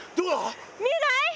見えない？